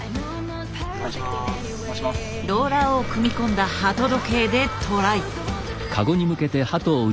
ローラーを組み込んだ鳩時計でトライ。